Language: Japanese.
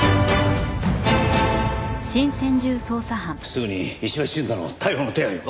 すぐに石橋淳太の逮捕の手配を。